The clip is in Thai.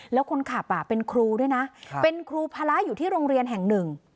แล้วคนขับเป็นครูด้วยนะเป็นครูภาระอยู่ที่โรงเรียนแห่งหนึ่ง